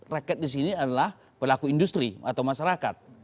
rakyat disini adalah pelaku industri atau masyarakat